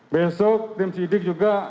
besok tim sidik juga